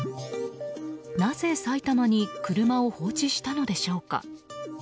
なぜ埼玉に車を放置したのでしょうか。